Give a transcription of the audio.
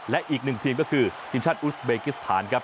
และอีกหนึ่งทีมก็คือทีมชาติอุสเบกิสถานครับ